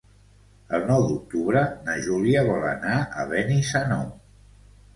El nou d'octubre na Júlia vol anar a Benissanó.